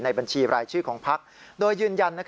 บัญชีรายชื่อของพักโดยยืนยัน